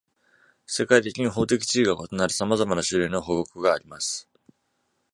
世界的に、法的地位が異なるさまざまな種類の保護区があります。